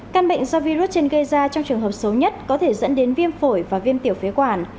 căn bệnh do virus trên gây ra trong trường hợp xấu nhất có thể dẫn đến viêm phổi và viêm tiểu phế quản